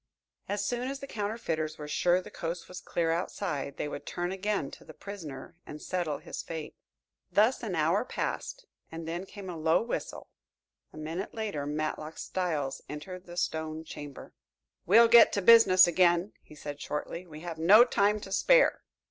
As soon as the counterfeiters were sure the coast was clear outside, they would turn again to the prisoner and settle his fate. Thus an hour passed and then came a low whistle. A minute later Matlock Styles entered the stone chamber. "We'll get to business again," he said shortly. "We have no time to spare."